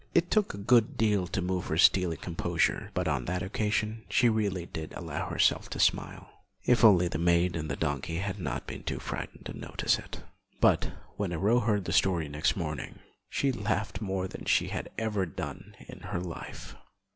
It took a good deal to move her stately composure, but on that occasion she really did allow herself to smile, if only the maid and the donkey had not been too frightened to notice it. But when Aurore heard the story next morning, she laughed more than she had ever done in her life.